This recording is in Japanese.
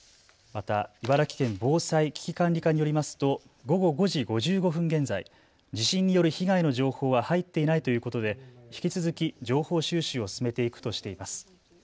また茨城県防災・危機管理課によりますと午後５時５５分現在、地震による被害の情報は入っていないということで引き続き情報収集を進めていくとしています。